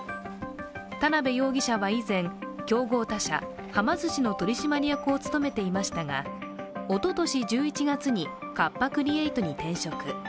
田辺容疑者は以前、競合他社、はま寿司の取締役を務めていましたがおととし１１月にカッパ・クリエイトに転職。